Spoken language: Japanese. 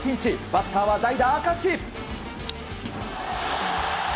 バッターは代打、明石。